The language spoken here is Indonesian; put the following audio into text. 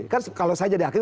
kan kalau saya jadi hakim